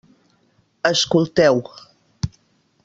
Escolteu.